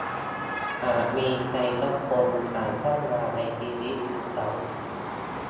อาจมีใครสักคนผ่านเข้ามาในชีวิตอีกครั้ง